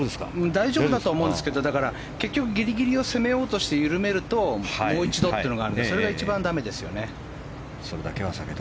大丈夫だと思うんですけどギリギリを攻めるともう一度というのがあるのでそれが一番だめですよね。